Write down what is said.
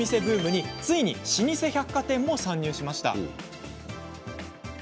ブームについに老舗百貨店も参入しました。